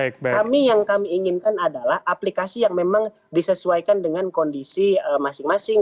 kami yang kami inginkan adalah aplikasi yang memang disesuaikan dengan kondisi masing masing